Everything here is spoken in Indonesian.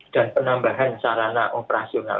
dan penambahan sarana operasional